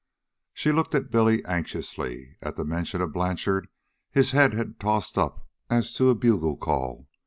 She looked at Billy anxiously. At the mention of Blanchard his head had tossed up as to a bugle call.